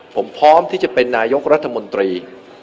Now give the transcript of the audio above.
ผมพร้อมที่จะเป็นนายกรัฐมนตรี